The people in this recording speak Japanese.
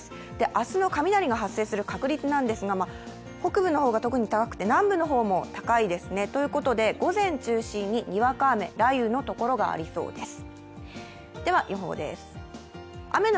明日の雷が発生する確率ですが、北部の方が特に高くて、南部の方も高いですね。ということで午前中心ににわか雨、雷雨の所がありそうです。